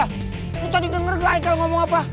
lu tadi denger tuh aikal ngomong apa